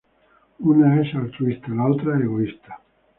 Una es altruista; la otra egoísta.